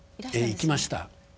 行きました。